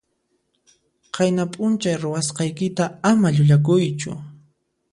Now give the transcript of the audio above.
Qayna p'unchay ruwasqaykita ama llullakuychu.